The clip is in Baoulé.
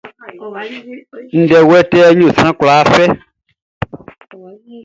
Ndɛ wɛtɛɛʼn yo sran kwlaa ye.